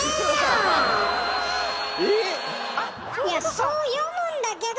そう読むんだけど！